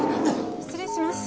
失礼します。